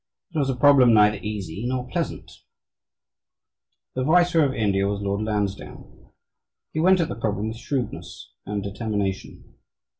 It was a problem neither easy nor pleasant. The Viceroy of India was Lord Lansdowne. He went at the problem with shrewdness and determination.